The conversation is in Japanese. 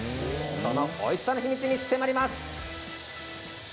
そのおいしさの秘密に迫ります。